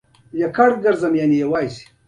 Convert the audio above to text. ډاکټر هینټیګ ورپسې کښېنست.